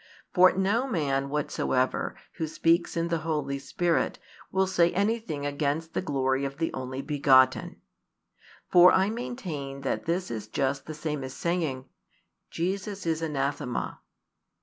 For no man whatsoever, who speaks in the Holy Spirit, will say anything against the glory of the Only begotten. For I maintain that this is just the same as saying: Jesus is anathema.